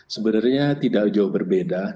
tentunya tidak jauh berbeda